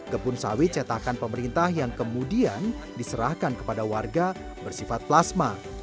kebun sawit cetakan pemerintah yang kemudian diserahkan kepada warga bersifat plasma